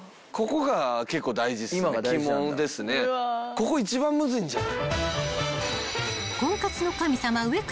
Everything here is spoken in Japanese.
ここ一番むずいんちゃう？